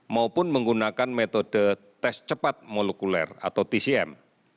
maupun menggunakan metode tes cepat molekuler atau tcm